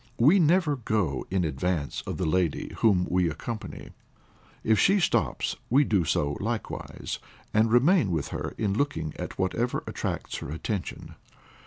We never go in advance of the lady whom we accompany, and if she stops, we do so likewise, and remain with her in looking at whatever attracts her attention.